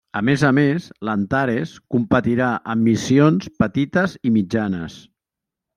A més a més, l'Antares competirà en missions petites i mitjanes.